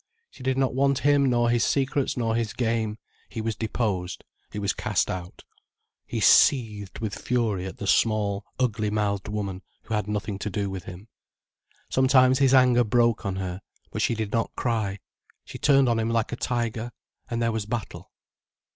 She did not want him nor his secrets nor his game, he was deposed, he was cast out. He seethed with fury at the small, ugly mouthed woman who had nothing to do with him. Sometimes his anger broke on her, but she did not cry. She turned on him like a tiger, and there was battle.